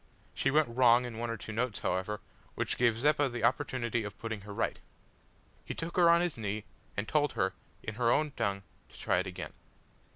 She went wrong in one or two notes, however, which gave Zeppa the opportunity of putting her right. He took her on his knee, and told her, in her own tongue, to try it again.